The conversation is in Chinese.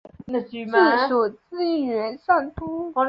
治所即元上都。